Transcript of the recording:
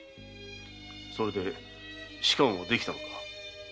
それで仕官はできたのか？